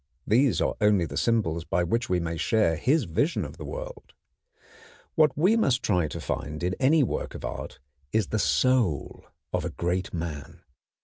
These are only the symbols by which we may share his vision of the world. What we must try to find in any work of art is the soul of a great man.